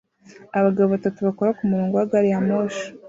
Abagabo batatu bakora kumurongo wa gari ya moshi